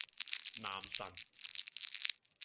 男神